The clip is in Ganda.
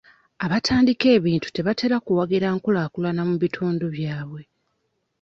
Abatandika ebintu tebatera kuwagira nkulaakulana mu bitundu byabwe.